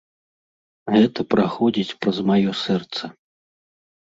Гэта праходзіць праз маё сэрца.